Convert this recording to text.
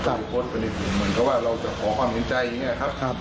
ตอนนี้คุณพูดเป็นอีกอย่างเขาว่าเราจะขอความเข้มใจเนี่ยครับ